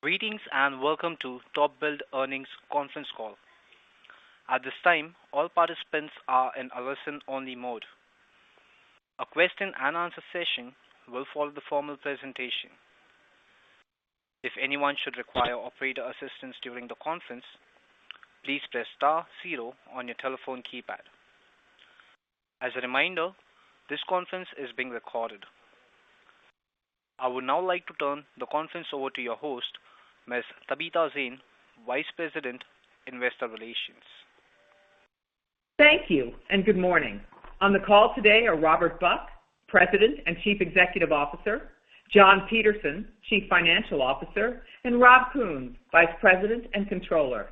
Greetings, and welcome to TopBuild Earnings Conference Call. At this time, all participants are in a listen-only mode. A Q&A session will follow the formal presentation. If anyone should require operator assistance during the conference, please press star zero on your telephone keypad. As a reminder, this conference is being recorded. I would now like to turn the conference over to your host, Ms. Tabitha Zane, Vice President, Investor Relations. Thank you, and good morning. On the call today are Robert Buck, President and Chief Executive Officer, John Peterson, Chief Financial Officer, and Robert Kuhns, Vice President and Controller.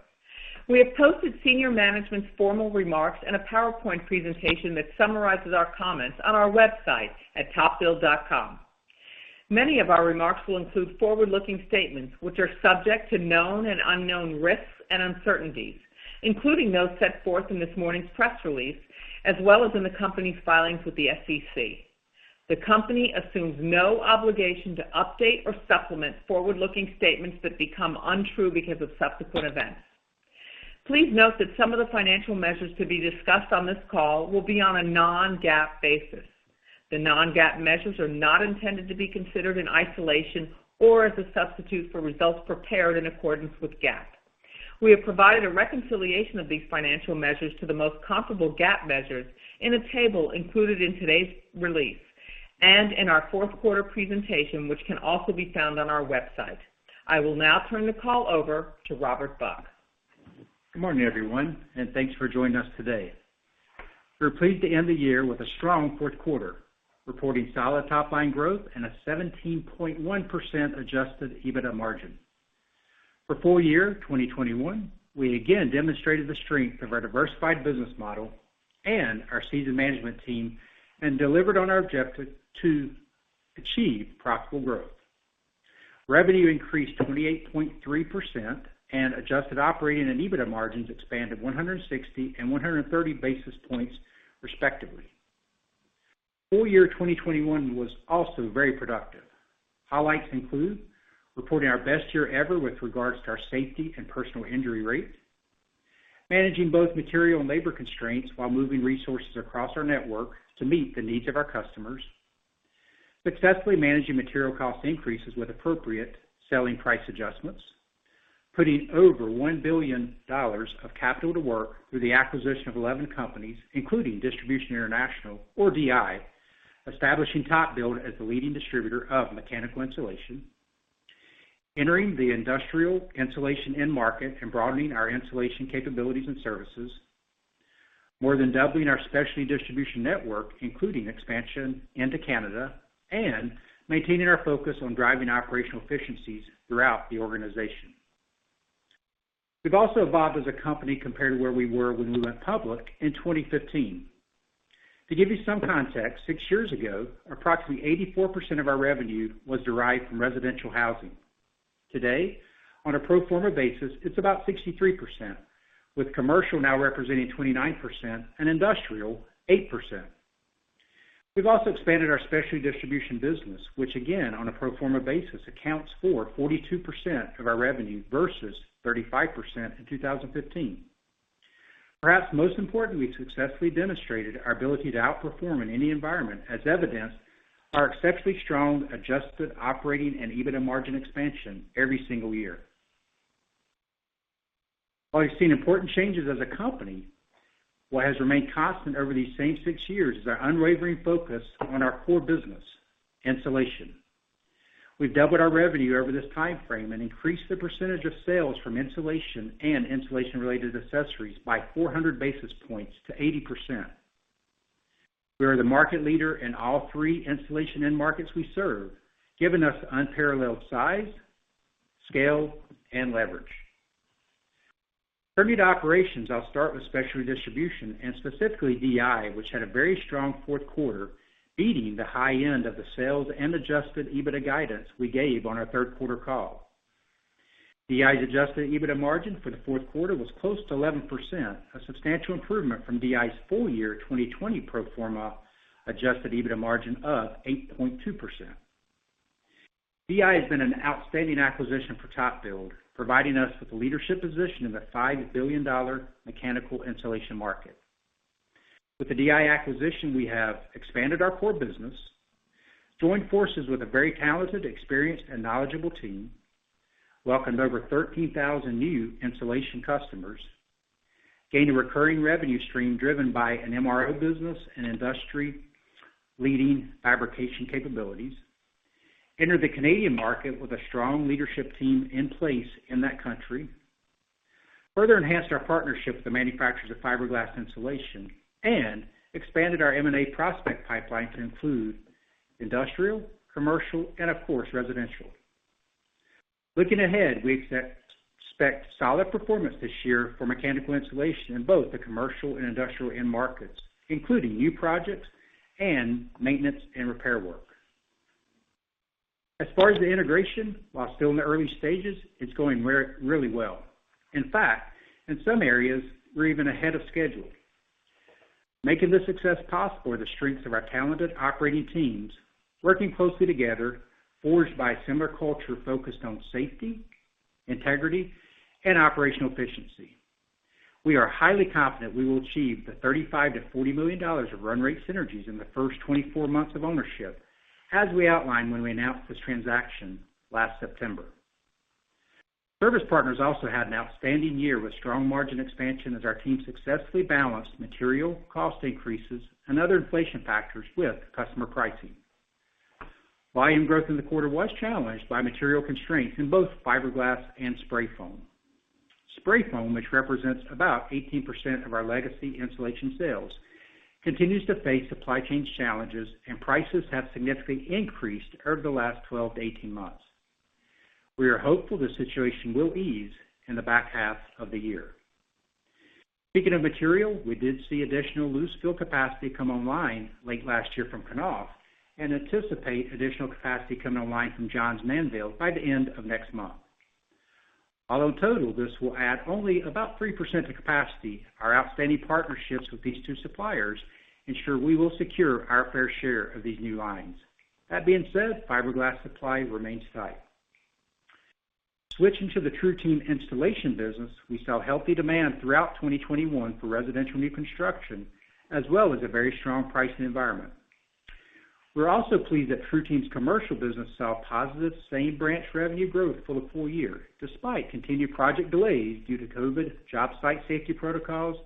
We have posted senior management's formal remarks and a PowerPoint presentation that summarizes our comments on our website at topbuild.com. Many of our remarks will include forward-looking statements, which are subject to known and unknown risks and uncertainties, including those set forth in this morning's press release, as well as in the company's filings with the SEC. The company assumes no obligation to update or supplement forward-looking statements that become untrue because of subsequent events. Please note that some of the financial measures to be discussed on this call will be on a non-GAAP basis. The non-GAAP measures are not intended to be considered in isolation or as a substitute for results prepared in accordance with GAAP. We have provided a reconciliation of these financial measures to the most comparable GAAP measures in a table included in today's release and in our fourth quarter presentation, which can also be found on our website. I will now turn the call over to Robert Buck. Good morning, everyone, and thanks for joining us today. We're pleased to end the year with a strong fourth quarter, reporting solid top-line growth and a 17.1% adjusted EBITDA margin. For full year 2021, we again demonstrated the strength of our diversified business model and our seasoned management team and delivered on our objective to achieve profitable growth. Revenue increased 28.3%, and adjusted operating and EBITDA margins expanded 160 and 130 basis points respectively. Full year 2021 was also very productive. Highlights include reporting our best year ever with regards to our safety and personal injury rate, managing both material and labor constraints while moving resources across our network to meet the needs of our customers, successfully managing material cost increases with appropriate selling price adjustments, putting over $1 billion of capital to work through the acquisition of 11 companies, including Distribution International or DI, establishing TopBuild as the leading distributor of mechanical insulation, entering the industrial insulation end market and broadening our insulation capabilities and services, more than doubling our specialty distribution network, including expansion into Canada, and maintaining our focus on driving operational efficiencies throughout the organization. We've also evolved as a company compared to where we were when we went public in 2015. To give you some context, six years ago, approximately 84% of our revenue was derived from residential housing. Today, on a pro forma basis, it's about 63%, with commercial now representing 29% and industrial 8%. We've also expanded our specialty distribution business, which again, on a pro forma basis, accounts for 42% of our revenue versus 35% in 2015. Perhaps most importantly, we've successfully demonstrated our ability to outperform in any environment as evidenced by our exceptionally strong adjusted operating and EBITDA margin expansion every single year. While we've seen important changes as a company, what has remained constant over these same six years is our unwavering focus on our core business, insulation. We've doubled our revenue over this time frame and increased the percentage of sales from insulation and insulation-related accessories by 400 basis points to 80%. We are the market leader in all three insulation end markets we serve, giving us unparalleled size, scale, and leverage. Turning to operations, I'll start with specialty distribution, and specifically DI, which had a very strong fourth quarter, beating the high end of the sales and adjusted EBITDA guidance we gave on our third quarter call. DI's adjusted EBITDA margin for the fourth quarter was close to 11%, a substantial improvement from DI's full year 2020 pro forma adjusted EBITDA margin of 8.2%. DI has been an outstanding acquisition for TopBuild, providing us with a leadership position in the $5 billion mechanical insulation market. With the DI acquisition, we have expanded our core business, joined forces with a very talented, experienced, and knowledgeable team, welcomed over 13,000 new insulation customers, gained a recurring revenue stream driven by an MRO business and industry-leading fabrication capabilities, entered the Canadian market with a strong leadership team in place in that country, further enhanced our partnership with the manufacturers of fiberglass insulation, and expanded our M&A prospect pipeline to include industrial, commercial, and of course, residential. Looking ahead, we expect solid performance this year for mechanical insulation in both the commercial and industrial end markets, including new projects and maintenance and repair work. As far as the integration, while still in the early stages, it's going really well. In fact, in some areas, we're even ahead of schedule. Making this success possible are the strengths of our talented operating teams working closely together, forged by a similar culture focused on safety, integrity and operational efficiency. We are highly confident we will achieve the $35 million-$40 million of run rate synergies in the first 24 months of ownership as we outlined when we announced this transaction last September. Service Partners also had an outstanding year with strong margin expansion as our team successfully balanced material cost increases and other inflation factors with customer pricing. Volume growth in the quarter was challenged by material constraints in both fiberglass and spray foam. Spray foam, which represents about 18% of our legacy insulation sales, continues to face supply chain challenges, and prices have significantly increased over the last 12 months-18 months. We are hopeful the situation will ease in the back half of the year. Speaking of material, we did see additional loose fill capacity come online late last year from Knauf and anticipate additional capacity coming online from Johns Manville by the end of next month. Although in total, this will add only about 3% of capacity, our outstanding partnerships with these two suppliers ensure we will secure our fair share of these new lines. That being said, fiberglass supply remains tight. Switching to the TruTeam installation business, we saw healthy demand throughout 2021 for residential new construction, as well as a very strong pricing environment. We're also pleased that TruTeam's commercial business saw positive same-branch revenue growth for the full year, despite continued project delays due to COVID job site safety protocols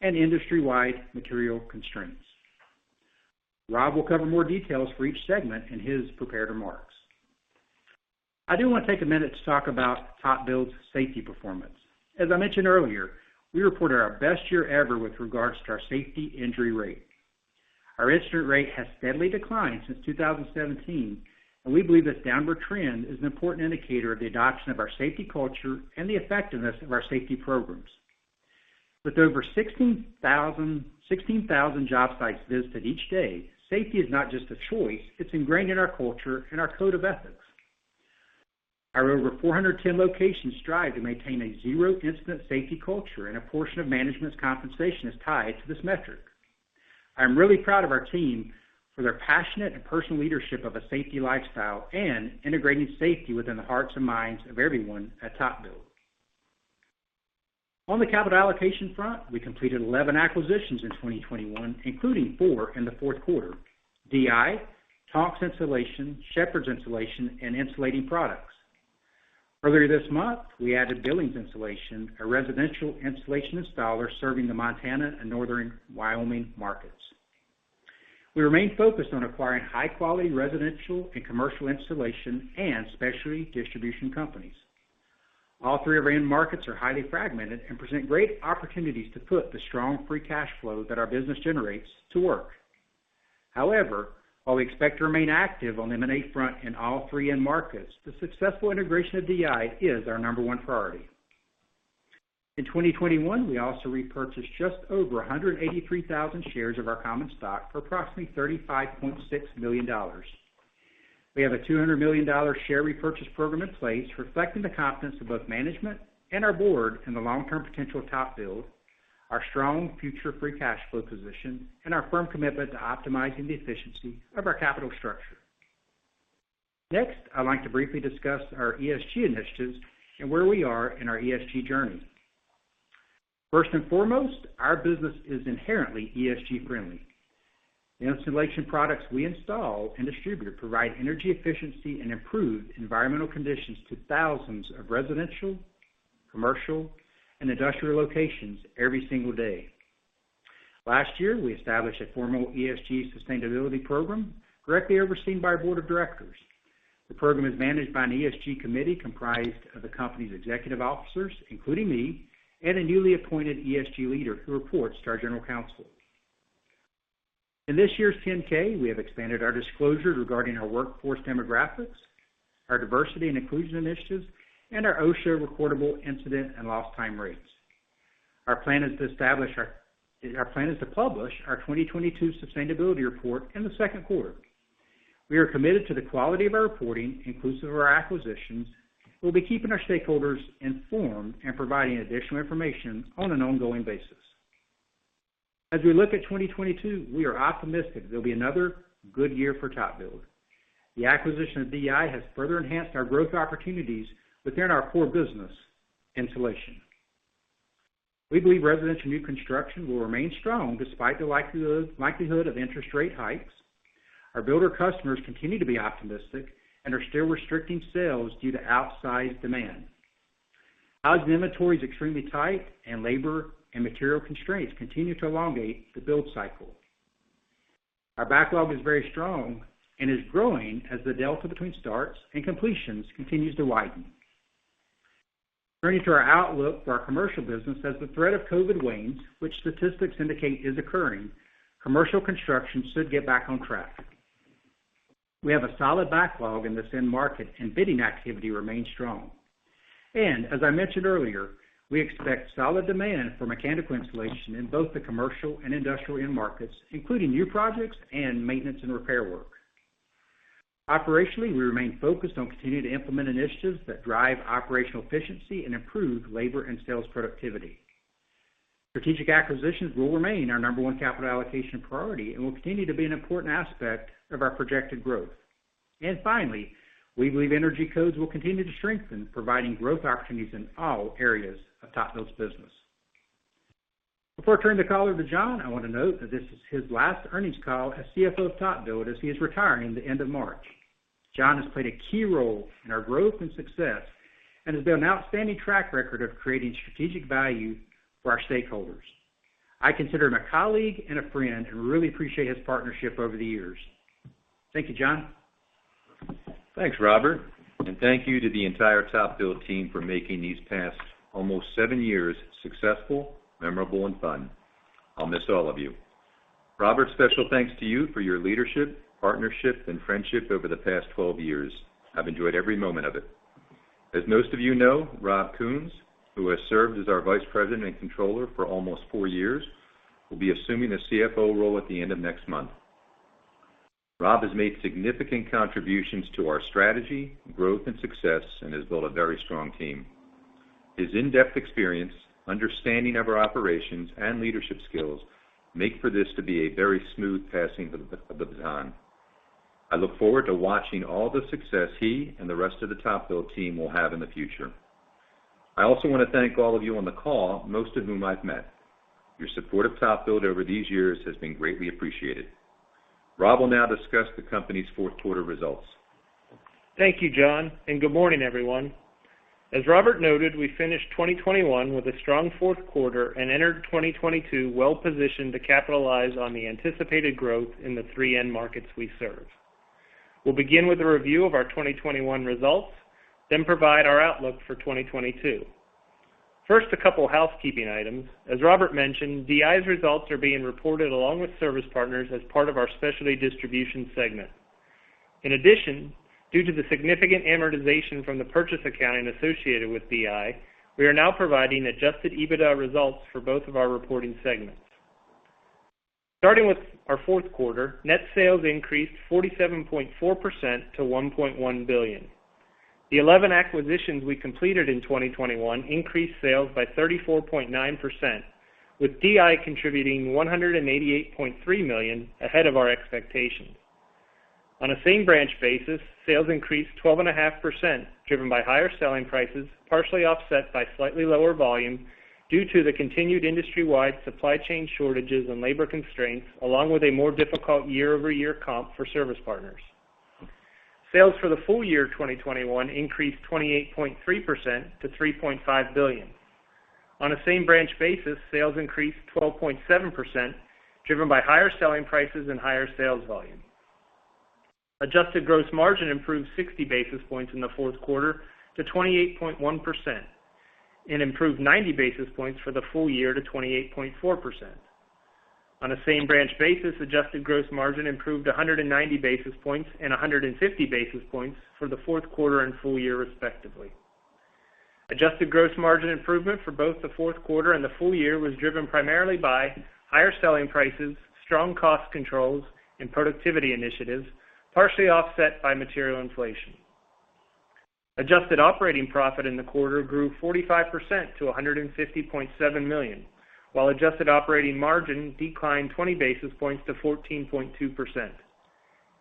and industry-wide material constraints. Rob will cover more details for each segment in his prepared remarks. I do want to take a minute to talk about TopBuild's safety performance. As I mentioned earlier, we reported our best year ever with regards to our safety injury rate. Our incident rate has steadily declined since 2017, and we believe this downward trend is an important indicator of the adoption of our safety culture and the effectiveness of our safety programs. With over 16,000 job sites visited each day, safety is not just a choice, it's ingrained in our culture and our code of ethics. Our over 410 locations strive to maintain a zero incident safety culture, and a portion of management's compensation is tied to this metric. I am really proud of our team for their passionate and personal leadership of a safety lifestyle and integrating safety within the hearts and minds of everyone at TopBuild. On the capital allocation front, we completed 11 acquisitions in 2021, including four in the fourth quarter, DI, Tonks Insulation, Shepherd's Insulation, and Insulating Products. Earlier this month, we added Billings Insulation, a residential insulation installer serving the Montana and Northern Wyoming markets. We remain focused on acquiring high-quality residential and commercial insulation and specialty distribution companies. All three of our end markets are highly fragmented and present great opportunities to put the strong free cash flow that our business generates to work. However, while we expect to remain active on the M&A front in all three end markets, the successful integration of DI is our number one priority. In 2021, we also repurchased just over 183,000 shares of our common stock for approximately $35.6 million. We have a $200 million share repurchase program in place, reflecting the confidence of both management and our board in the long-term potential of TopBuild, our strong future free cash flow position, and our firm commitment to optimizing the efficiency of our capital structure. Next, I'd like to briefly discuss our ESG initiatives and where we are in our ESG journey. First and foremost, our business is inherently ESG friendly. The insulation products we install and distribute provide energy efficiency and improved environmental conditions to thousands of residential, commercial, and industrial locations every single day. Last year, we established a formal ESG sustainability program directly overseen by our Board of Directors. The program is managed by an ESG committee comprised of the company's executive officers, including me, and a newly appointed ESG leader who reports to our general counsel. In this year's 10-K, we have expanded our disclosure regarding our workforce demographics, our diversity and inclusion initiatives, and our OSHA recordable incident and lost time rates. Our plan is to publish our 2022 sustainability report in the second quarter. We are committed to the quality of our reporting, inclusive of our acquisitions. We'll be keeping our stakeholders informed and providing additional information on an ongoing basis. As we look at 2022, we are optimistic it will be another good year for TopBuild. The acquisition of DI has further enhanced our growth opportunities within our core business, insulation. We believe residential new construction will remain strong despite the likelihood of interest rate hikes. Our builder customers continue to be optimistic and are still restricting sales due to outsized demand. Housing inventory is extremely tight and labor and material constraints continue to elongate the build cycle. Our backlog is very strong and is growing as the delta between starts and completions continues to widen. Turning to our outlook for our commercial business, as the threat of COVID wanes, which statistics indicate is occurring, commercial construction should get back on track. We have a solid backlog in this end market, and bidding activity remains strong. As I mentioned earlier, we expect solid demand for mechanical insulation in both the commercial and industrial end markets, including new projects and maintenance and repair work. Operationally, we remain focused on continuing to implement initiatives that drive operational efficiency and improve labor and sales productivity. Strategic acquisitions will remain our number one capital allocation priority and will continue to be an important aspect of our projected growth. Finally, we believe energy codes will continue to strengthen, providing growth opportunities in all areas of TopBuild's business. Before I turn the call over to John, I wanna note that this is his last earnings call as CFO of TopBuild, as he is retiring the end of March. John has played a key role in our growth and success and has built an outstanding track record of creating strategic value for our stakeholders. I consider him a colleague and a friend, and really appreciate his partnership over the years. Thank you, John. Thanks, Robert, and thank you to the entire TopBuild team for making these past almost seven years successful, memorable, and fun. I'll miss all of you. Robert, special thanks to you for your leadership, partnership, and friendship over the past twelve years. I've enjoyed every moment of it. As most of you know, Rob Kuhns, who has served as our vice president and controller for almost four years, will be assuming the CFO role at the end of next month. Rob has made significant contributions to our strategy, growth, and success and has built a very strong team. His in-depth experience, understanding of our operations, and leadership skills make for this to be a very smooth passing of the baton. I look forward to watching all the success he and the rest of the TopBuild team will have in the future. I also wanna thank all of you on the call, most of whom I've met. Your support of TopBuild over these years has been greatly appreciated. Rob will now discuss the company's fourth quarter results. Thank you, John, and good morning, everyone. As Robert noted, we finished 2021 with a strong fourth quarter and entered 2022 well positioned to capitalize on the anticipated growth in the three end markets we serve. We'll begin with a review of our 2021 results, then provide our outlook for 2022. First, a couple housekeeping items. As Robert mentioned, DI's results are being reported along with Service Partners as part of our specialty distribution segment. In addition, due to the significant amortization from the purchase accounting associated with DI, we are now providing adjusted EBITDA results for both of our reporting segments. Starting with our fourth quarter, net sales increased 47.4% to $1.1 billion. The 11 acquisitions we completed in 2021 increased sales by 34.9%, with DI contributing $188.3 million ahead of our expectations. On a same branch basis, sales increased 12.5%, driven by higher selling prices, partially offset by slightly lower volume due to the continued industry-wide supply chain shortages and labor constraints, along with a more difficult year-over-year comp for Service Partners. Sales for the full year 2021 increased 28.3% to $3.5 billion. On a same branch basis, sales increased 12.7%, driven by higher selling prices and higher sales volume. Adjusted gross margin improved 60 basis points in the fourth quarter to 28.1% and improved 90 basis points for the full year to 28.4%. On a same branch basis, adjusted gross margin improved 190 basis points and 150 basis points for the fourth quarter and full year respectively. Adjusted gross margin improvement for both the fourth quarter and the full year was driven primarily by higher selling prices, strong cost controls, and productivity initiatives, partially offset by material inflation. Adjusted operating profit in the quarter grew 45% to $150.7 million, while adjusted operating margin declined 20 basis points to 14.2%.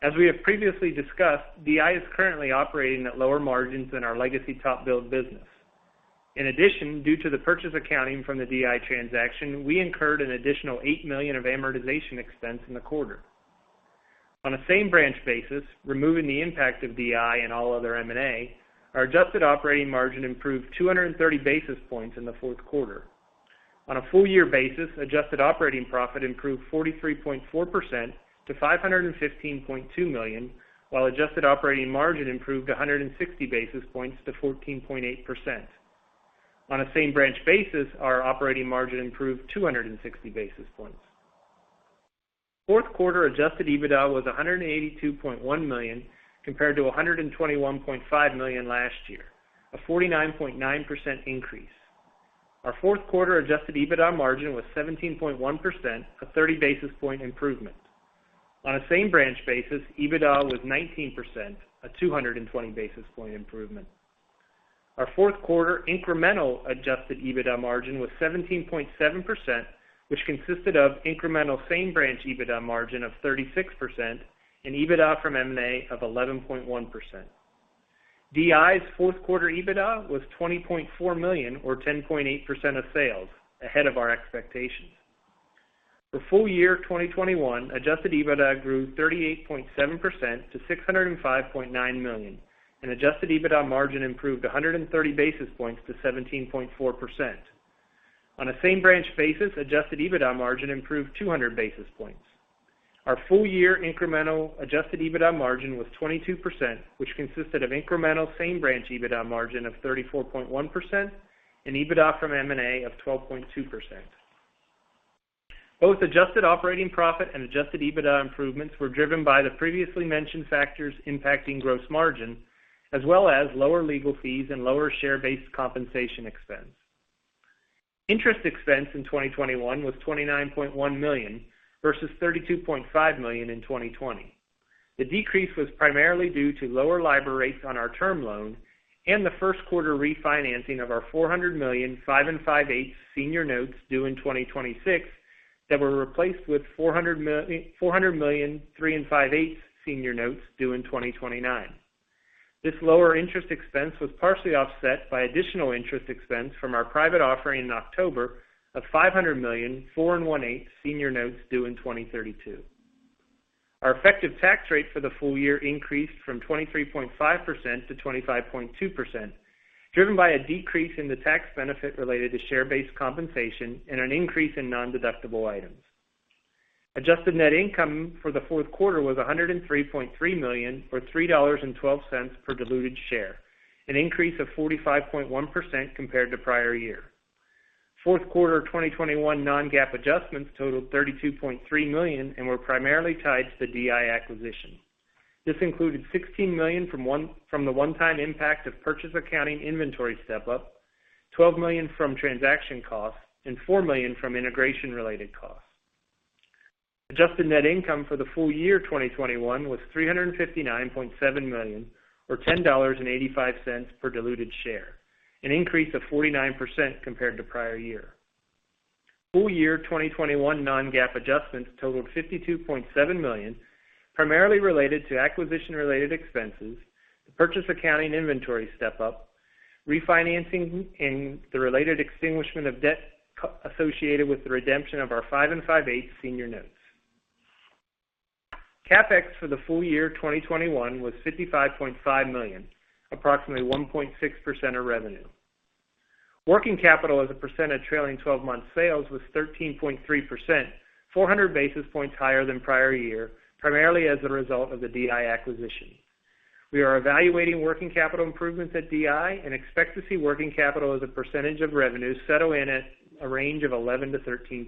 As we have previously discussed, DI is currently operating at lower margins than our legacy TopBuild business. In addition, due to the purchase accounting from the DI transaction, we incurred an additional $8 million of amortization expense in the quarter. On a same branch basis, removing the impact of DI and all other M&A, our adjusted operating margin improved 230 basis points in the fourth quarter. On a full year basis, adjusted operating profit improved 43.4% to $515.2 million, while adjusted operating margin improved 160 basis points to 14.8%. On a same branch basis, our operating margin improved 260 basis points. Fourth quarter adjusted EBITDA was $182.1 million compared to $121.5 million last year, a 49.9% increase. Our fourth quarter adjusted EBITDA margin was 17.1%, a 30 basis point improvement. On a same branch basis, EBITDA was 19%, a 220 basis point improvement. Our fourth quarter incremental adjusted EBITDA margin was 17.7%, which consisted of incremental same branch EBITDA margin of 36% and EBITDA from M&A of 11.1%. DI's fourth quarter EBITDA was $20.4 million or 10.8% of sales, ahead of our expectations. For full year 2021, adjusted EBITDA grew 38.7% to $605.9 million, and adjusted EBITDA margin improved 130 basis points to 17.4%. On a same branch basis, adjusted EBITDA margin improved 200 basis points. Our full year incremental adjusted EBITDA margin was 22%, which consisted of incremental same branch EBITDA margin of 34.1% and EBITDA from M&A of 12.2%. Both adjusted operating profit and adjusted EBITDA improvements were driven by the previously mentioned factors impacting gross margin, as well as lower legal fees and lower share-based compensation expense. Interest expense in 2021 was $29.1 million versus $32.5 million in 2020. The decrease was primarily due to lower LIBOR rates on our term loan and the first quarter refinancing of our $400 million 5 5/8 senior notes due in 2026 that were replaced with $400 million 3 5/8 senior notes due in 2029. This lower interest expense was partially offset by additional interest expense from our private offering in October of $500 million 4 1/8 senior notes due in 2032. Our effective tax rate for the full year increased from 23.5% to 25.2%, driven by a decrease in the tax benefit related to share-based compensation and an increase in nondeductible items. Adjusted net income for the fourth quarter was $103.3 million, or $3.12 per diluted share, an increase of 45.1% compared to prior year. Fourth quarter 2021 non-GAAP adjustments totaled $32.3 million and were primarily tied to the DI acquisition. This included $16 million from the one-time impact of purchase accounting inventory step-up, $12 million from transaction costs, and $4 million from integration-related costs. Adjusted net income for the full year 2021 was $359.7 million or $10.85 per diluted share, an increase of 49% compared to prior year. Full year 2021 non-GAAP adjustments totaled $52.7 million, primarily related to acquisition-related expenses, the purchase accounting inventory step-up, refinancing, and the related extinguishment of debt associated with the redemption of our 5 5/8 senior notes. CapEx for the full year 2021 was $55.5 million, approximately 1.6% of revenue. Working capital as a percent of trailing 12-month sales was 13.3%, 400 basis points higher than prior year, primarily as a result of the DI acquisition. We are evaluating working capital improvements at DI and expect to see working capital as a percentage of revenue settle in at a range of 11%-13%.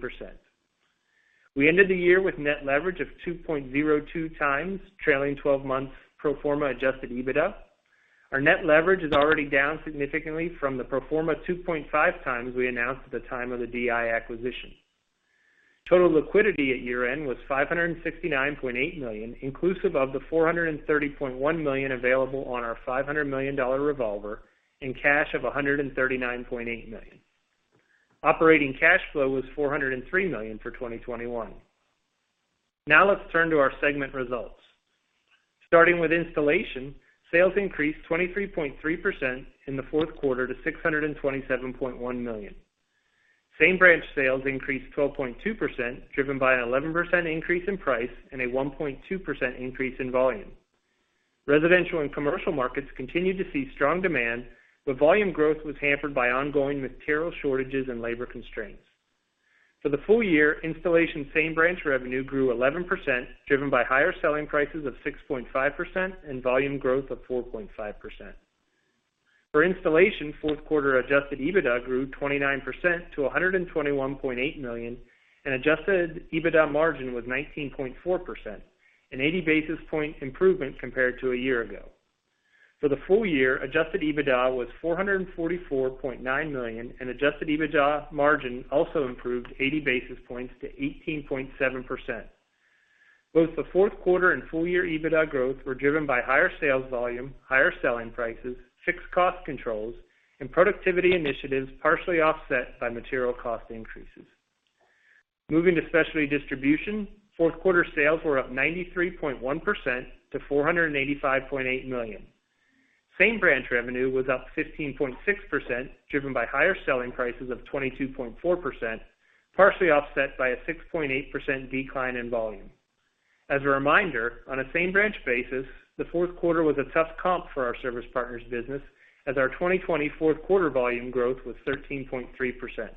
We ended the year with net leverage of 2.02x trailing 12 months pro forma adjusted EBITDA. Our net leverage is already down significantly from the pro forma 2.5x we announced at the time of the DI acquisition. Total liquidity at year-end was $569.8 million, inclusive of the $430.1 million available on our $500 million revolver and cash of $139.8 million. Operating cash flow was $403 million for 2021. Now let's turn to our segment results. Starting with installation, sales increased 23.3% in the fourth quarter to $627.1 million. Same branch sales increased 12.2%, driven by an 11% increase in price and a 1.2% increase in volume. Residential and commercial markets continued to see strong demand, but volume growth was hampered by ongoing material shortages and labor constraints. For the full year, installation same branch revenue grew 11%, driven by higher selling prices of 6.5% and volume growth of 4.5%. For installation, fourth quarter adjusted EBITDA grew 29% to $121.8 million, and adjusted EBITDA margin was 19.4%, an 80 basis points improvement compared to a year ago. For the full year, adjusted EBITDA was $444.9 million, and adjusted EBITDA margin also improved 80 basis points to 18.7%. Both the fourth quarter and full year EBITDA growth were driven by higher sales volume, higher selling prices, fixed cost controls, and productivity initiatives partially offset by material cost increases. Moving to specialty distribution, fourth quarter sales were up 93.1% to $485.8 million. Same branch revenue was up 15.6%, driven by higher selling prices of 22.4%, partially offset by a 6.8% decline in volume. As a reminder, on a same branch basis, the fourth quarter was a tough comp for our Service Partners business as our 2024 fourth quarter volume growth was 13.3%.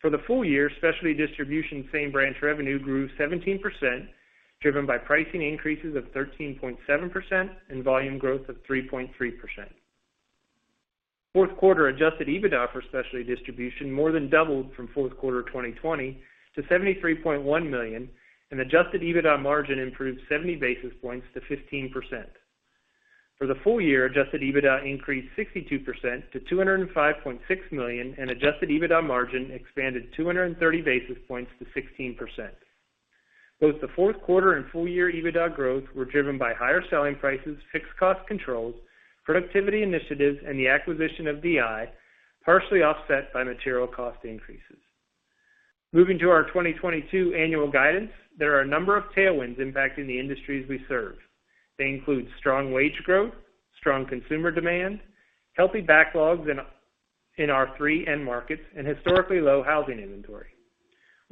For the full year, specialty distribution same branch revenue grew 17%, driven by pricing increases of 13.7% and volume growth of 3.3%. Fourth quarter adjusted EBITDA for specialty distribution more than doubled from fourth quarter 2020 to $73.1 million, and adjusted EBITDA margin improved 70 basis points to 15%. For the full year, adjusted EBITDA increased 62% to $205.6 million, and adjusted EBITDA margin expanded 230 basis points to 16%. Both the fourth quarter and full year EBITDA growth were driven by higher selling prices, fixed cost controls, productivity initiatives, and the acquisition of DI, partially offset by material cost increases. Moving to our 2022 annual guidance, there are a number of tailwinds impacting the industries we serve. They include strong wage growth, strong consumer demand, healthy backlogs in our three end markets, and historically low housing inventory.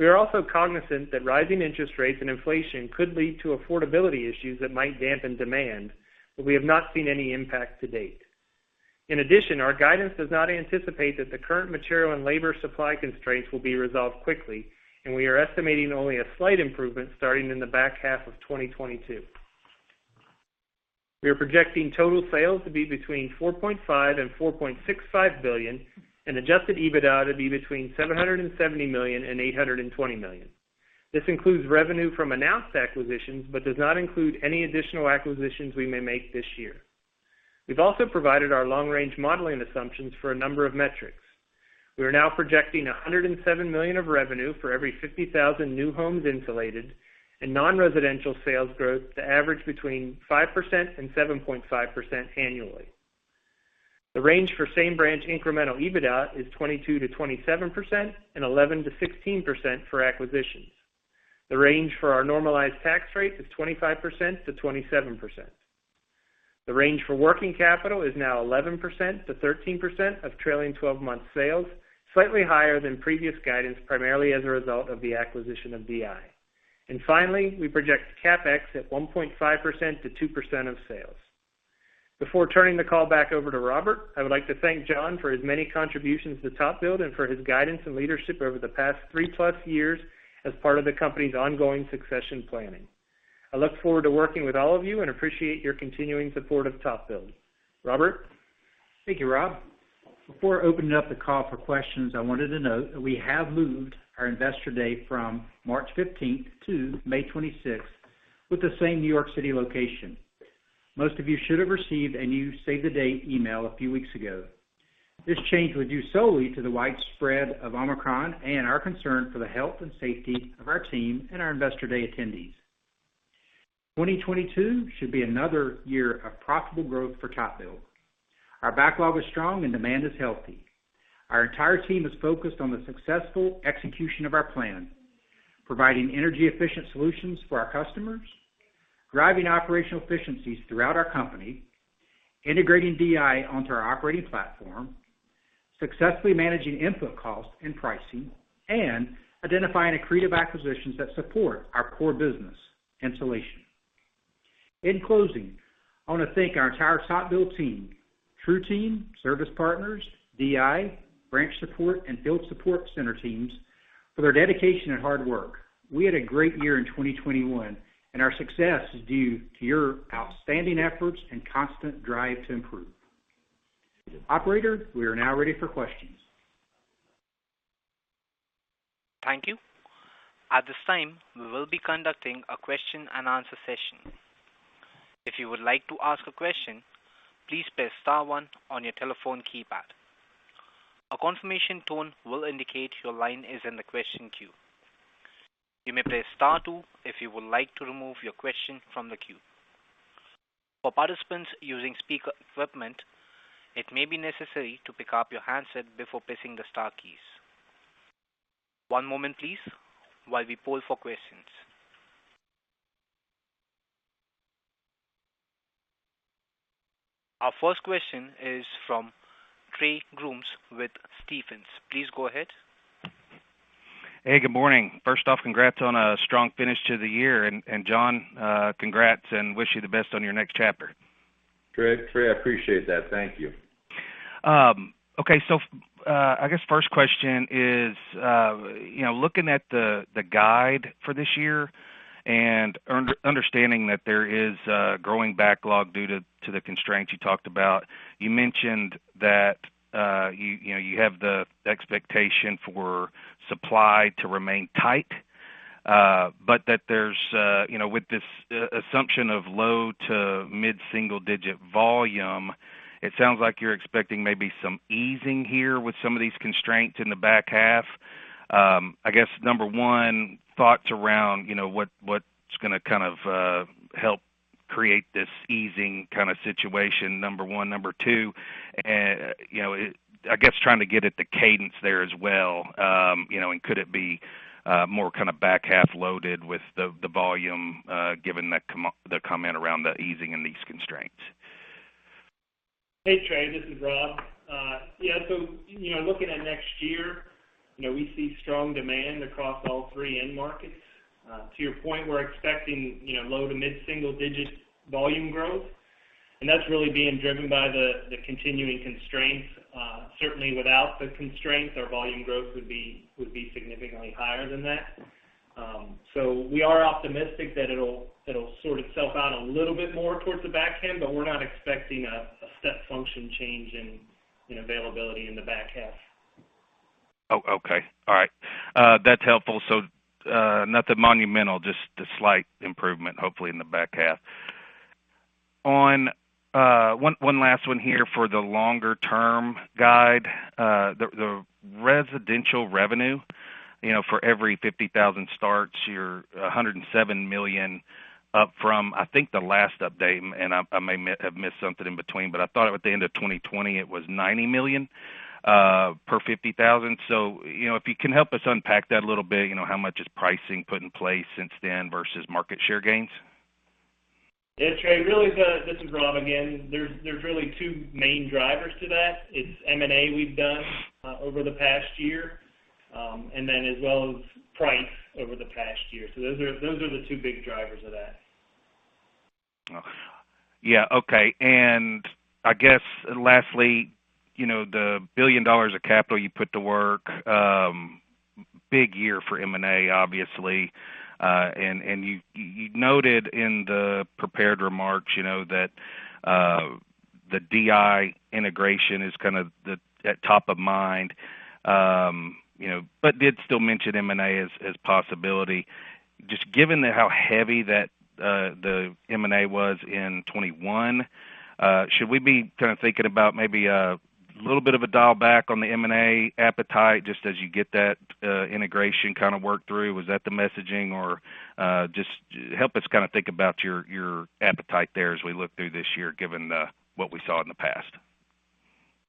We are also cognizant that rising interest rates and inflation could lead to affordability issues that might dampen demand, but we have not seen any impact to date. In addition, our guidance does not anticipate that the current material and labor supply constraints will be resolved quickly, and we are estimating only a slight improvement starting in the back half of 2022. We are projecting total sales to be between $4.5 billion and $4.65 billion and adjusted EBITDA to be between $770 million and $820 million. This includes revenue from announced acquisitions but does not include any additional acquisitions we may make this year. We've also provided our long-range modeling assumptions for a number of metrics. We are now projecting $107 million of revenue for every 50,000 new homes insulated and non-residential sales growth to average between 5% and 7.5% annually. The range for same branch incremental EBITDA is 22%-27% and 11%-16% for acquisitions. The range for our normalized tax rate is 25%-27%. The range for working capital is now 11%-13% of trailing twelve months sales, slightly higher than previous guidance, primarily as a result of the acquisition of DI. Finally, we project CapEx at 1.5%-2% of sales. Before turning the call back over to Robert, I would like to thank John for his many contributions to TopBuild and for his guidance and leadership over the past 3+ years as part of the company's ongoing succession planning. I look forward to working with all of you and appreciate your continuing support of TopBuild. Robert. Thank you, Rob. Before opening up the call for questions, I wanted to note that we have moved our Investor Day from March 15th to May 26th with the same New York City location. Most of you should have received a new save the date email a few weeks ago. This change was due solely to the spread of Omicron and our concern for the health and safety of our team and our Investor Day attendees. 2022 should be another year of profitable growth for TopBuild. Our backlog is strong and demand is healthy. Our entire team is focused on the successful execution of our plan, providing energy efficient solutions for our customers, driving operational efficiencies throughout our company, integrating DI onto our operating platform, successfully managing input costs and pricing, and identifying accretive acquisitions that support our core business, insulation. In closing, I want to thank our entire TopBuild team, TruTeam, Service Partners, DI, branch support, and field support center teams for their dedication and hard work. We had a great year in 2021, and our success is due to your outstanding efforts and constant drive to improve. Operator, we are now ready for questions. Thank you. At this time, we will be conducting a Q&A session. If you would like to ask a question, please press star one on your telephone keypad. A confirmation tone will indicate your line is in the question queue. You may press star two if you would like to remove your question from the queue. For participants using speaker equipment, it may be necessary to pick up your handset before pressing the star keys. One moment, please, while we poll for questions. Our first question is from Trey Grooms with Stephens. Please go ahead. Hey, good morning. First off, congrats on a strong finish to the year. John, congrats and wish you the best on your next chapter. Great, Trey. I appreciate that. Thank you. Okay. I guess first question is, you know, looking at the guidance for this year and understanding that there is a growing backlog due to the constraints you talked about. You mentioned that you know you have the expectation for supply to remain tight, but that there's you know with this assumption of low- to mid-single-digit volume, it sounds like you're expecting maybe some easing here with some of these constraints in the back half. I guess, number one, thoughts around, you know, what's gonna kind of help create this easing kind of situation, number one. Number two, you know, I guess trying to get at the cadence there as well, you know, and could it be more kind of back half loaded with the volume, given the comment around the easing in these constraints? Hey, Trey. This is Rob. Yeah, so, you know, looking at next year, you know, we see strong demand across all three end markets. To your point, we're expecting, you know, low to mid-single digit volume growth, and that's really being driven by the continuing constraints. Certainly without the constraints, our volume growth would be significantly higher than that. We are optimistic that it'll sort itself out a little bit more towards the back half, but we're not expecting a step function change in availability in the back half. Oh, okay. All right. That's helpful. Nothing monumental, just a slight improvement, hopefully in the back half. On one last one here for the longer-term guide. The residential revenue, you know, for every 50,000 starts, you're $107 million up from, I think, the last update, and I may have missed something in between, but I thought at the end of 2020 it was $90 million per 50,000. You know, if you can help us unpack that a little bit, you know, how much is pricing put in place since then versus market share gains? Yeah. Trey, this is Rob again. There's really two main drivers to that. It's M&A we've done over the past year, and then as well as price over the past year. Those are the two big drivers of that. Yeah. Okay. I guess lastly, you know, the $1 billion of capital you put to work, big year for M&A, obviously. You noted in the prepared remarks, you know, that the DI integration is kind of at top of mind, you know, but did still mention M&A as a possibility. Just given how heavy that the M&A was in 2021, should we be kind of thinking about maybe a little bit of a dial back on the M&A appetite just as you get that integration kind of work through? Was that the messaging? Or just help us kind of think about your appetite there as we look through this year, given what we saw in the past.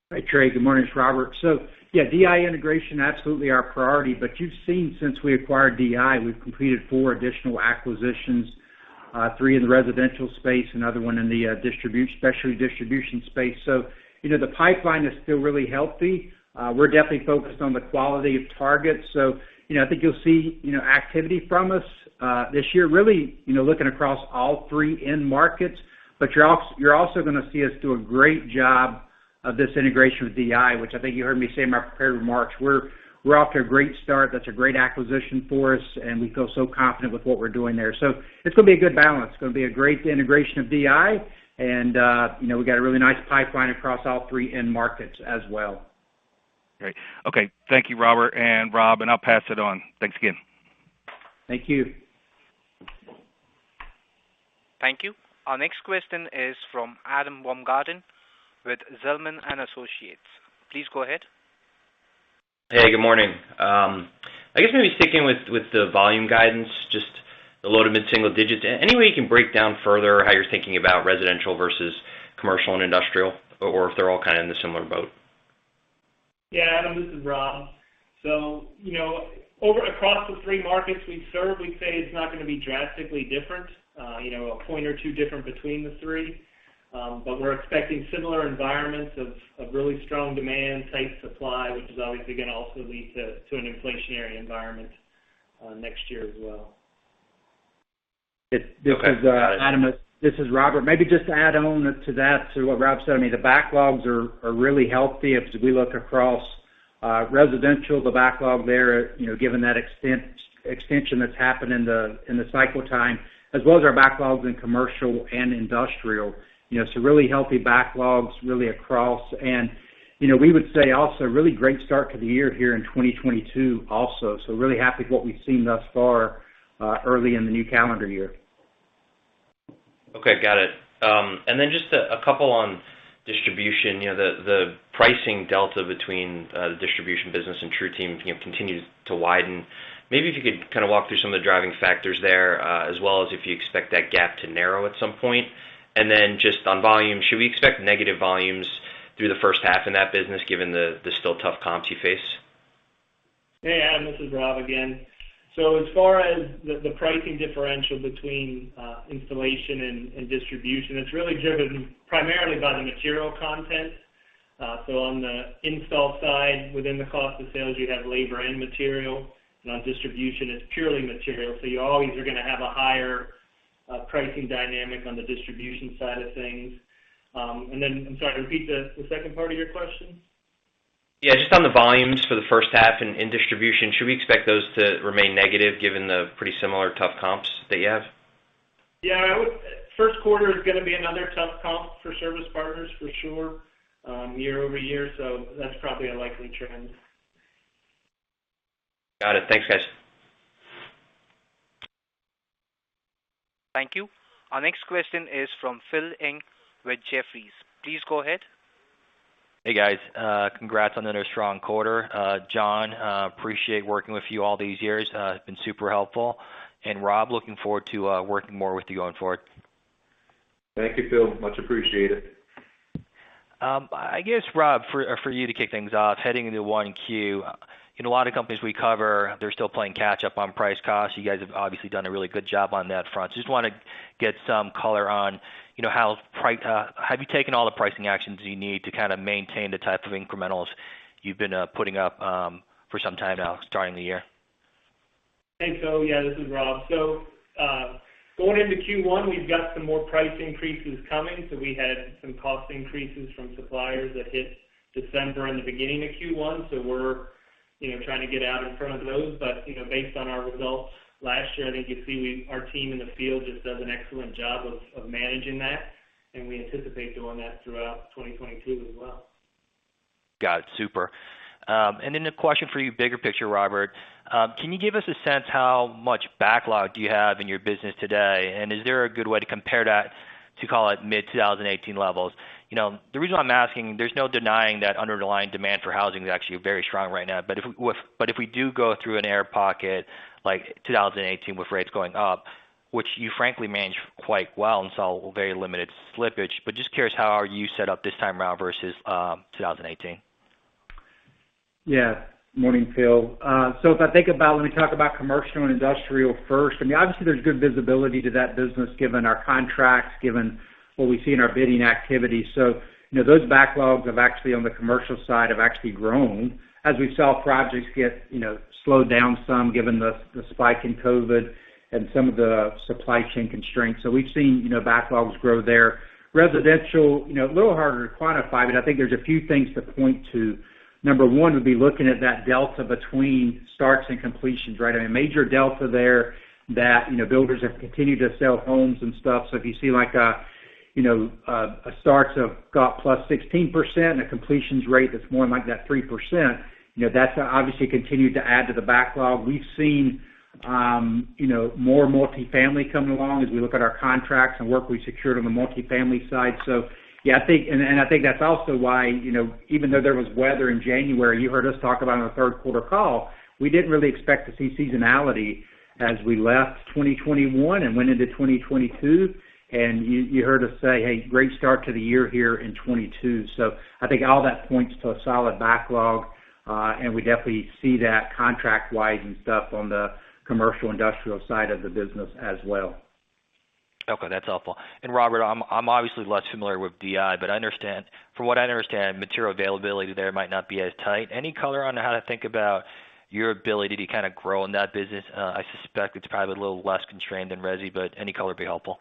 Hey, Trey. Good morning. It's Robert. Yeah, DI integration, absolutely our priority. You've seen since we acquired DI, we've completed four additional acquisitions, three in the residential space, another one in the specialty distribution space. You know, the pipeline is still really healthy. We're definitely focused on the quality of targets. You know, I think you'll see, you know, activity from us, this year, really, you know, looking across all three end markets. You're also gonna see us do a great job of this integration with DI, which I think you heard me say in my prepared remarks. We're off to a great start. That's a great acquisition for us, and we feel so confident with what we're doing there. It's gonna be a good balance. It's gonna be a great integration of DI and, you know, we've got a really nice pipeline across all three end markets as well. Great. Okay. Thank you, Robert and Rob, and I'll pass it on. Thanks again. Thank you. Thank you. Our next question is from Adam Baumgarten with Zelman & Associates. Please go ahead. Hey, good morning. I guess maybe sticking with the volume guidance, just the low to mid-single digits. Any way you can break down further how you're thinking about residential versus commercial and industrial, or if they're all kind of in the same boat? Yeah. Adam, this is Rob. You know, across the three markets we serve, we'd say it's not gonna be drastically different, you know, a point or two different between the three. We're expecting similar environments of really strong demand, tight supply, which is obviously gonna also lead to an inflationary environment, next year as well. Okay. Got it. This is Adam, this is Robert. Maybe just to add on to that, to what Rob said, I mean, the backlogs are really healthy as we look across residential, the backlog there, you know, given that extension that's happened in the cycle time, as well as our backlogs in commercial and industrial. You know, so really healthy backlogs really across. You know, we would say also a really great start to the year here in 2022 also. Really happy with what we've seen thus far early in the new calendar year. Okay. Got it. Then just a couple on distribution. You know, the pricing delta between the distribution business and TruTeam, you know, continues to widen. Maybe if you could kind of walk through some of the driving factors there, as well as if you expect that gap to narrow at some point. Just on volume, should we expect negative volumes through the first half in that business given the still tough comps you face? Hey, Adam, this is Rob again. As far as the pricing differential between installation and distribution, it's really driven primarily by the material content. On the install side, within the cost of sales, you have labor and material. On distribution, it's purely material. You always are gonna have a higher pricing dynamic on the distribution side of things. I'm sorry, repeat the second part of your question. Yeah, just on the volumes for the first half in distribution, should we expect those to remain negative given the pretty similar tough comps that you have? First quarter is gonna be another tough comp for Service Partners for sure, year-over-year, so that's probably a likely trend. Got it. Thanks, guys. Thank you. Our next question is from Philip Ng with Jefferies. Please go ahead. Hey, guys. Congrats on another strong quarter. John, I appreciate working with you all these years. It's been super helpful. Rob, looking forward to working more with you going forward. Thank you, Phil. Much appreciated. I guess, Rob, for you to kick things off, heading into 1Q, in a lot of companies we cover, they're still playing catch up on price cost. You guys have obviously done a really good job on that front. So just wanna get some color on, you know, how have you taken all the pricing actions you need to kind of maintain the type of incrementals you've been putting up for some time now starting the year? Thanks, Phil. Yeah, this is Rob. Going into Q1, we've got some more price increases coming. We had some cost increases from suppliers that hit December and the beginning of Q1. We're, you know, trying to get out in front of those. You know, based on our results last year, I think you see we our team in the field just does an excellent job of managing that, and we anticipate doing that throughout 2022 as well. Got it. Super. And then a question for you, bigger picture, Robert. Can you give us a sense how much backlog do you have in your business today? And is there a good way to compare that to call it mid-2018 levels? You know, the reason why I'm asking, there's no denying that underlying demand for housing is actually very strong right now. But if we do go through an air pocket like 2018 with rates going up, which you frankly managed quite well and saw very limited slippage, but just curious how are you set up this time around versus 2018? Yeah. Morning, Phil. If I think about when we talk about commercial and industrial first, I mean, obviously there's good visibility to that business given our contracts, given what we see in our bidding activity. You know, those backlogs have actually grown on the commercial side as we saw projects get, you know, slowed down some given the spike in COVID and some of the supply chain constraints. We've seen, you know, backlogs grow there. Residential, you know, a little harder to quantify, but I think there's a few things to point to. Number one would be looking at that delta between starts and completions, right? I mean, a major delta there that, you know, builders have continued to sell homes and stuff. If you see like, you know, starts up, got +16% and a completions rate that's more like that 3%, you know, that's obviously continued to add to the backlog. We've seen, you know, more multi-family coming along as we look at our contracts and work, we secured on the multi-family side. Yeah, I think that's also why, you know, even though there was weather in January, you heard us talk about on the third quarter call, we didn't really expect to see seasonality as we left 2021 and went into 2022. You heard us say, "Hey, great start to the year here in 2022." I think all that points to a solid backlog, and we definitely see that contract-wise and stuff on the commercial industrial side of the business as well. Okay, that's helpful. Robert, I'm obviously less familiar with DI, but I understand from what I understand, material availability there might not be as tight. Any color on how to think about your ability to kind of grow in that business? I suspect it's probably a little less constrained than resi, but any color would be helpful.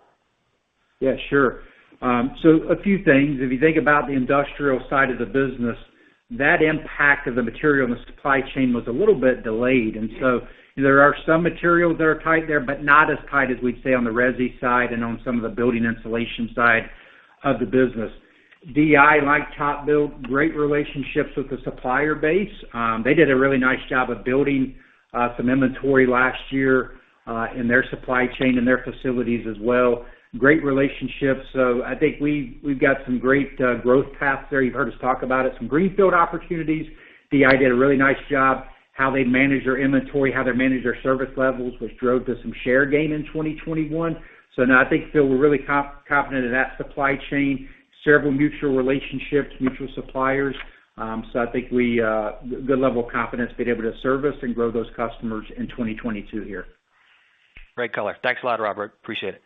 Yeah, sure. A few things. If you think about the industrial side of the business, that impact of the material in the supply chain was a little bit delayed. There are some materials that are tight there, but not as tight as we'd say on the resi side and on some of the building installation side of the business. DI, like TopBuild, great relationships with the supplier base. They did a really nice job of building some inventory last year in their supply chain, in their facilities as well. Great relationships. I think we've got some great growth paths there. You've heard us talk about it, some greenfield opportunities. DI did a really nice job, how they managed their inventory, how they managed their service levels, which drove to some share gain in 2021. No, I think, Phil, we're really confident in that supply chain. Several mutual relationships, mutual suppliers. I think we have a good level of confidence being able to service and grow those customers in 2022 here. Great color. Thanks a lot, Robert. Appreciate it.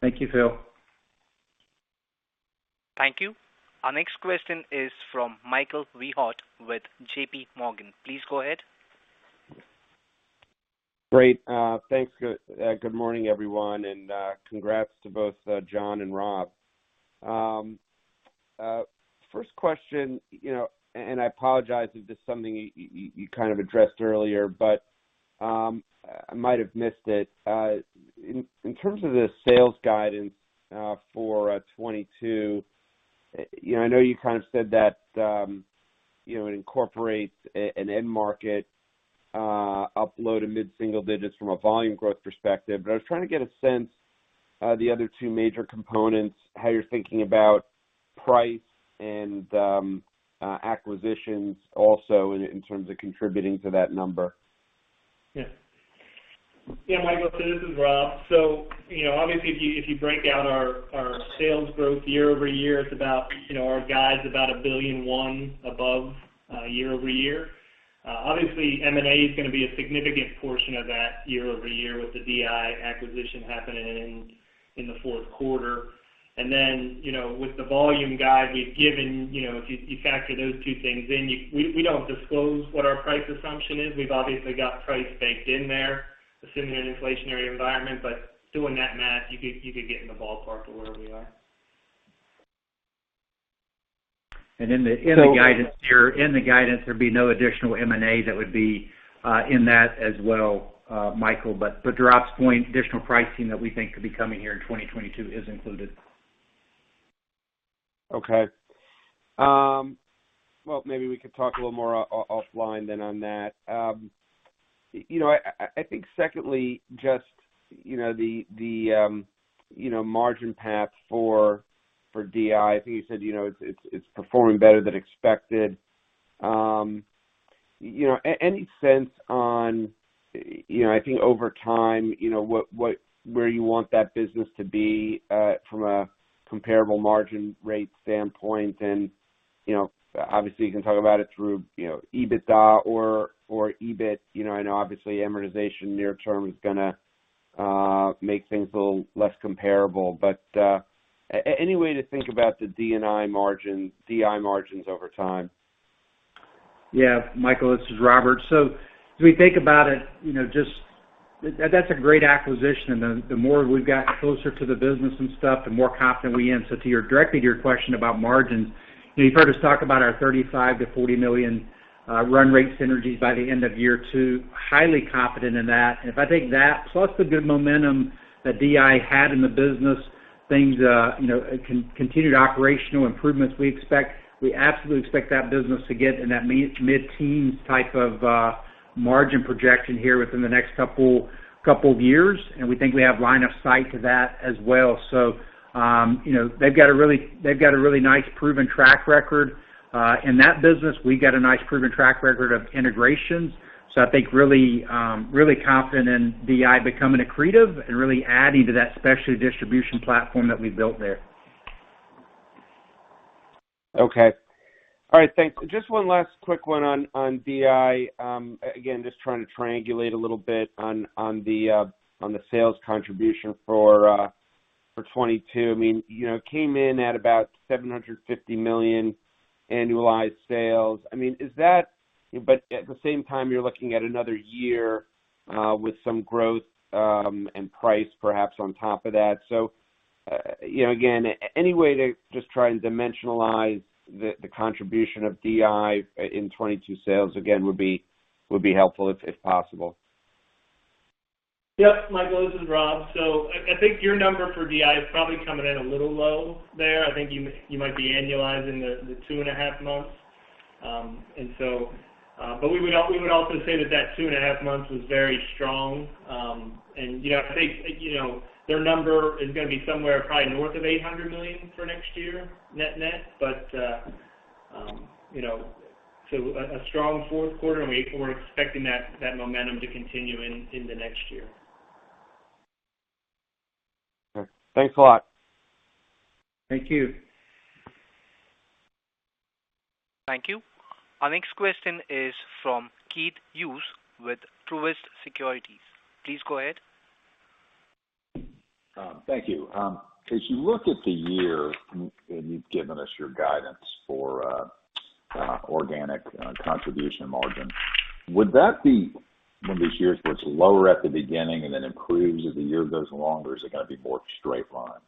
Thank you, Phil. Thank you. Our next question is from Michael Rehaut with JPMorgan. Please go ahead. Great. Thanks. Good morning, everyone, and congrats to both John and Rob. First question, you know, and I apologize if this is something you kind of addressed earlier, but I might have missed it. In terms of the sales guidance for 2022, you know, I know you kind of said that, you know, it incorporates an end-market uplift of mid-single digits from a volume growth perspective. I was trying to get a sense of the other two major components, how you're thinking about price and acquisitions also in terms of contributing to that number. Yeah. Yeah, Michael, this is Rob. You know, obviously, if you break out our sales growth year-over-year, it's about $1.1 billion above year-over-year. Obviously, M&A is gonna be a significant portion of that year-over-year with the DI acquisition happening in the fourth quarter. You know, with the volume guide we've given, you know, if you factor those two things in, we don't disclose what our price assumption is. We've obviously got price baked in there, assuming an inflationary environment. Doing that math, you could get in the ballpark of where we are. In the guidance there'd be no additional M&A that would be in that as well, Michael. To Rob's point, additional pricing that we think could be coming here in 2022 is included. Okay. Well, maybe we could talk a little more offline then on that. You know, I think secondly, just, you know, the margin path for DI, I think you said, you know, it's performing better than expected. You know, any sense on, you know, I think over time, you know, where you want that business to be from a comparable margin rate standpoint? You know, obviously, you can talk about it through, you know, EBITDA or EBIT, you know, I know obviously amortization near-term is gonna make things a little less comparable. Any way to think about the DI margin, DI margins over time? Yeah. Michael, this is Robert. As we think about it, you know, just. That's a great acquisition, and the more we've gotten closer to the business and stuff, the more confident we are. To your directly to your question about margins, you know, you've heard us talk about our $35 million-$40 million run rate synergies by the end of year two. Highly confident in that. And if I take that plus the good momentum that DI had in the business, things, you know, continued operational improvements we expect, we absolutely expect that business to get in that mid-teens type of margin projection here within the next couple of years. And we think we have line of sight to that as well. You know, they've got a really nice proven track record in that business. We've got a nice proven track record of integrations. I think really confident in DI becoming accretive and really adding to that specialty distribution platform that we've built there. Okay. All right, thanks. Just one last quick one on DI. Again, just trying to triangulate a little bit on the sales contribution for 2022. I mean, you know, it came in at about $750 million annualized sales. I mean, is that. But at the same time, you're looking at another year with some growth and price perhaps on top of that. You know, again, any way to just try and dimensionalize the contribution of DI in 2022 sales again would be helpful if possible. Yep, Michael, this is Rob. I think your number for DI is probably coming in a little low there. I think you might be annualizing the 2.5 months. We would also say that 2.5 months was very strong. You know, I think, you know, their number is gonna be somewhere probably north of $800 million for next year net net. But you know. A strong fourth quarter, and we're expecting that momentum to continue in the next year. Okay. Thanks a lot. Thank you. Thank you. Our next question is from Keith Hughes with Truist Securities. Please go ahead. Thank you. As you look at the year, and you've given us your guidance for organic contribution margin, would that be one of those years where it's lower at the beginning and then improves as the year goes along or is it gonna be more straight line?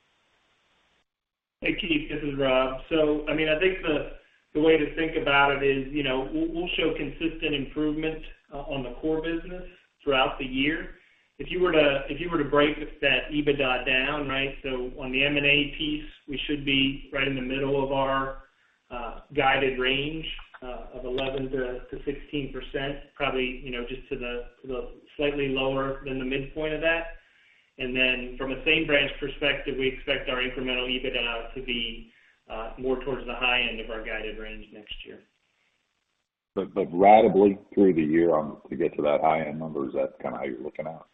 Hey, Keith, this is Rob. I mean, I think the way to think about it is, you know, we'll show consistent improvement on the core business throughout the year. If you were to break that EBITDA down, right? On the M&A piece, we should be right in the middle of our guided range of 11%-16%, probably, you know, just to the slightly lower than the midpoint of that. From a same branch perspective, we expect our incremental EBITDA to be more towards the high end of our guided range next year. Ratably through the year in order to get to those high-end numbers, that's kinda how you're looking at it?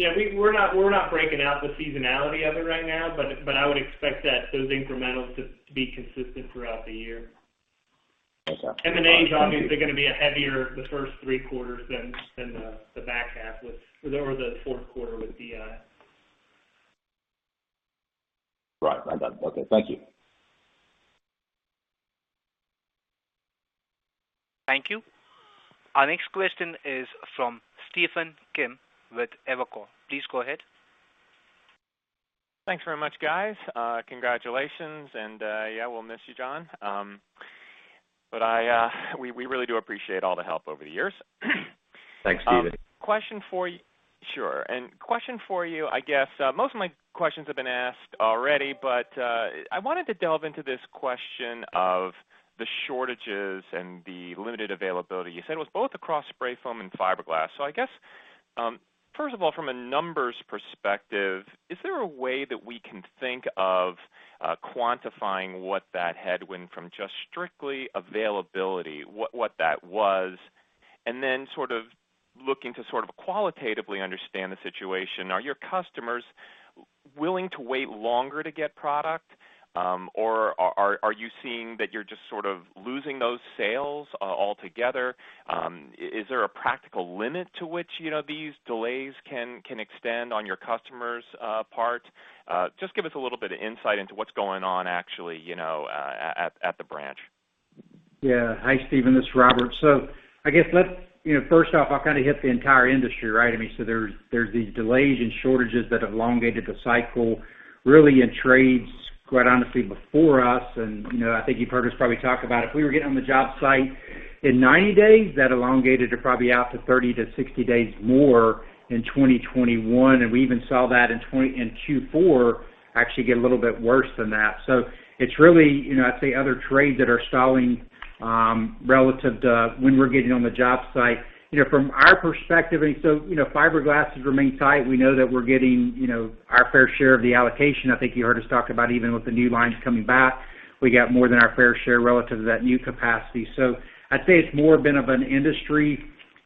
Yeah, we're not breaking out the seasonality of it right now, but I would expect those incrementals to be consistent throughout the year. Thanks, Rob. M&As obviously are gonna be heavier in the first three quarters than the back half or the fourth quarter with DI. Right. Understood. Okay. Thank you. Thank you. Our next question is from Stephen Kim with Evercore. Please go ahead. Thanks very much, guys. Congratulations. Yeah, we'll miss you, John. We really do appreciate all the help over the years. Thanks, Stephen. Question for you, I guess, most of my questions have been asked already, but I wanted to delve into this question of the shortages and the limited availability. You said it was both across spray foam and fiberglass. I guess, first of all, from a numbers perspective, is there a way that we can think of quantifying what that headwind from just strictly availability, what that was? And then sort of looking to sort of qualitatively understand the situation, are your customers willing to wait longer to get product, or are you seeing that you're just sort of losing those sales altogether? Is there a practical limit to which, you know, these delays can extend on your customers' part? Just give us a little bit of insight into what's going on actually, you know, at the branch. Yeah. Hi, Stephen. This is Robert. I guess let's, you know, first off, I'll kind of hit the entire industry, right? I mean, there's these delays and shortages that have elongated the cycle really in trades quite honestly before us. You know, I think you've heard us probably talk about if we were getting on the job site in 90 days, that elongated to probably out to 30-60 days more in 2021. We even saw that in Q4 actually get a little bit worse than that. It's really, you know, I'd say other trades that are stalling relative to when we're getting on the job site. You know, from our perspective, I mean, fiberglass has remained tight. We know that we're getting our fair share of the allocation. I think you heard us talk about even with the new lines coming back, we got more than our fair share relative to that new capacity. I'd say it's more been of an industry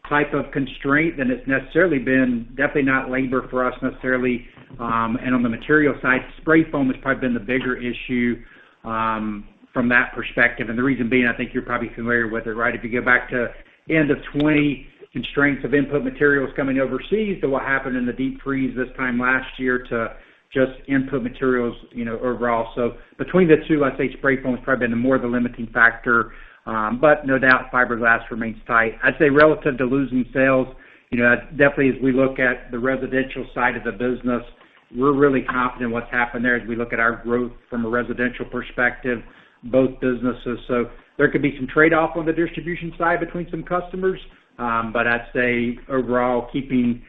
type of constraint than it's necessarily been, definitely not labor for us necessarily. On the material side, spray foam has probably been the bigger issue, from that perspective. The reason being, I think you're probably familiar with it, right? If you go back to end of 2020, constraints of input materials coming overseas to what happened in the deep freeze this time last year to just input materials, you know, overall. Between the two, I'd say spray foam has probably been more of the limiting factor. No doubt, fiberglass remains tight. I'd say relative to losing sales, you know, definitely as we look at the residential side of the business, we're really confident in what's happened there as we look at our growth from a residential perspective, both businesses. There could be some trade-off on the distribution side between some customers. But I'd say overall, keeping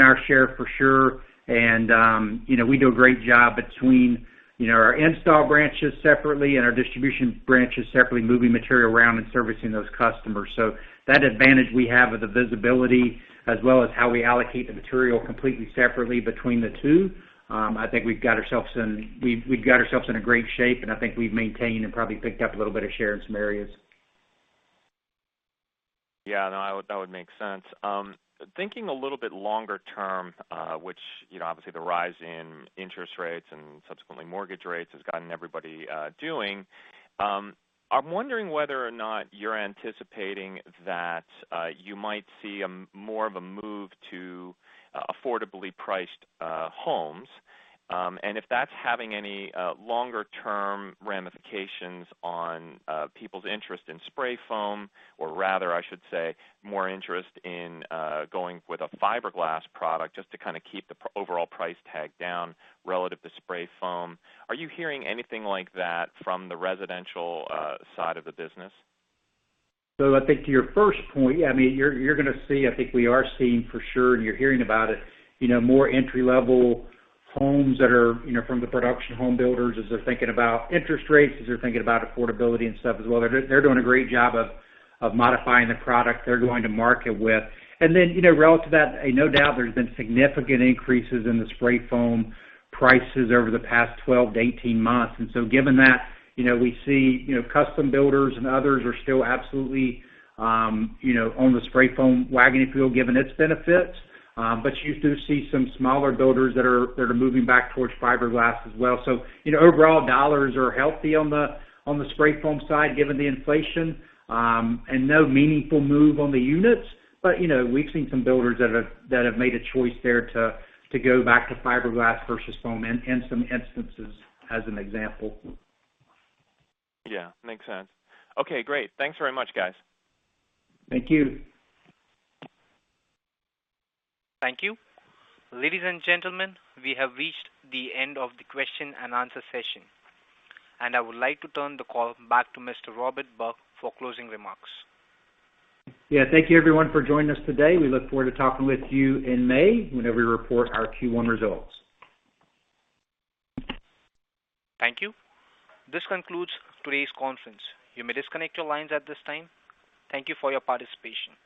our share for sure. You know, we do a great job between, you know, our install branches separately and our distribution branches separately, moving material around and servicing those customers. That advantage we have of the visibility as well as how we allocate the material completely separately between the two, I think we've got ourselves in a great shape, and I think we've maintained and probably picked up a little bit of share in some areas. Yeah. No, that would make sense. Thinking a little bit longer term, which, you know, obviously the rise in interest rates and subsequently mortgage rates has gotten everybody doing. I'm wondering whether or not you're anticipating that you might see more of a move to affordably priced homes, and if that's having any longer term ramifications on people's interest in spray foam or rather, I should say, more interest in going with a fiberglass product just to kinda keep the overall price tag down relative to spray foam. Are you hearing anything like that from the residential side of the business? I think to your first point, I mean, you're gonna see, I think we are seeing for sure and you're hearing about it, you know, more entry-level homes that are, you know, from the production home builders as they're thinking about interest rates, as they're thinking about affordability and stuff as well. They're doing a great job of modifying the product they're going to market with. Then, you know, relative to that, no doubt there's been significant increases in the spray foam prices over the past 12-18 months. Given that, you know, we see, you know, custom builders and others are still absolutely, you know, on the spray foam wagon, if you will, given its benefits. You do see some smaller builders that are moving back towards fiberglass as well. You know, overall dollars are healthy on the spray foam side given the inflation and no meaningful move on the units. You know, we've seen some builders that have made a choice there to go back to fiberglass versus foam in some instances as an example. Yeah. Makes sense. Okay, great. Thanks very much, guys. Thank you. Thank you. Ladies and gentlemen, we have reached the end of the Q&A session, and I would like to turn the call back to Mr. Robert Buck for closing remarks. Yeah. Thank you everyone for joining us today. We look forward to talking with you in May whenever we report our Q1 results. Thank you. This concludes today's conference. You may disconnect your lines at this time. Thank you for your participation.